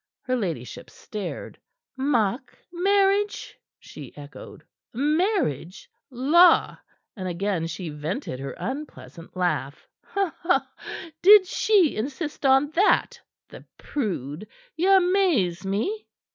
Her ladyship stared. "Mock marriage?" she echoed. "Marriage? La!" And again she vented her unpleasant laugh. "Did she insist on that, the prude? Y' amaze me!"